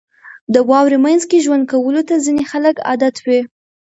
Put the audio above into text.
• د واورې مینځ کې ژوند کولو ته ځینې خلک عادت وي.